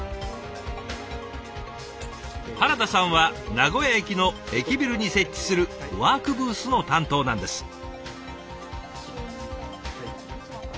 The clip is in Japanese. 原田さんは名古屋駅の駅ビルに設置するワークブースの担当なんです。